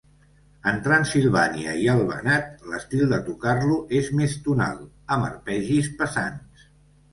En Transsilvània i el Banat, l'estil de tocar-lo és més tonal, amb arpegis pesants.